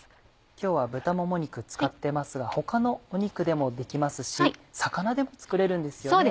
今日は豚もも肉使ってますが他の肉でもできますし魚でも作れるんですよね？